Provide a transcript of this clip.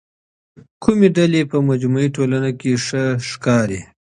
کومې ډلې په مجموعي ټولنه کي ښه ښکاري؟